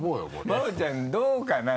真央ちゃんどうかな？